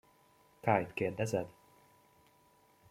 Kayt kérdezed?